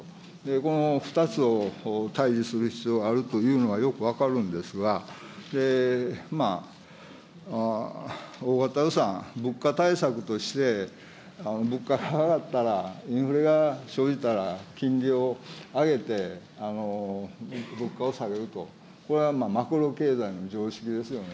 この２つを対じする必要があるというのがよく分かるんですが、大型予算、物価対策として物価が上がったらインフレが生じたら、金利を上げて、物価を下げると、これはもうマクロ経済の常識ですよね。